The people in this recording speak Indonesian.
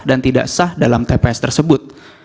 dan tidak sah dalam tps tersebut